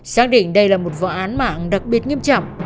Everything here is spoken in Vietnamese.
xác định đây là một vụ án mạng đặc biệt nghiêm trọng